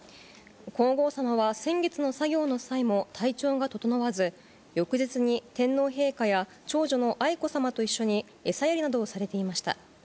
皇后さまは先月の作業の際も体調が整わず、翌日に天皇陛下や長女の愛子さまと一緒にえさやりなどをされていました。